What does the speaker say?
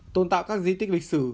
tôn tạo các di tích lịch sử